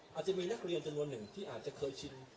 อาจจะมีนักเรียนจำนวนหนึ่งที่อาจจะเคยชิน